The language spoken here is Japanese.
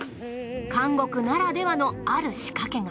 監獄ならではのある仕掛けが。